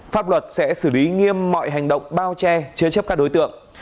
pháp luật sẽ xử lý nghiêm mọi hành động bao che chứa chấp các đối tượng